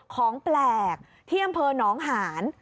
ของแปลกเที่ยงเผลอหนองหาญ